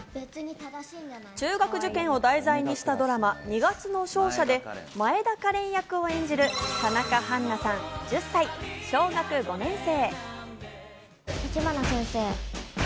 中学受験を題材にしたドラマ『二月の勝者』で前田花恋役を演じる田中絆菜さん、１０歳、小学５年生。